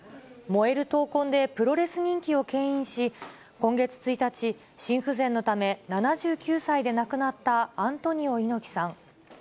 燃える闘魂でプロレス人気をけん引し、今月１日、心不全のため、７９歳で亡くなったアントニオ猪木さん。